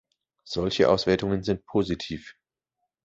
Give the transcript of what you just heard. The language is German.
Solche Auswertungen sind positiv.